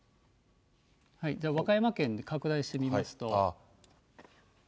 和歌山県を拡大してみますと。